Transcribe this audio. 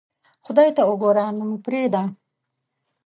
خدای ته اوګوره نو مې پریدا